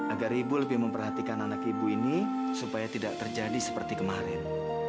agar ibu lebih memperhatikan anak ibu ini supaya tidak terjadi seperti kemarin